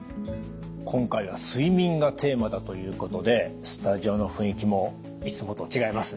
今回は「睡眠」がテーマだということでスタジオの雰囲気もいつもと違いますね。